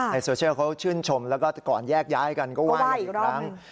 โซเชียลเขาชื่นชมแล้วก็ก่อนแยกย้ายกันก็ว่ากันอีกครั้ง